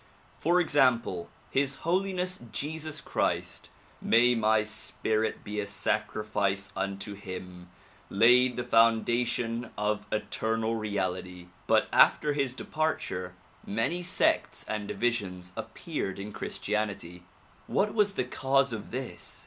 For example, His Holiness Jesus Christ — may my spirit be a sacrifice unto him! — ^laid the founda tion of eternal reality, but after his departure many sects and divisions appeared in Christianity. What was the cause of this?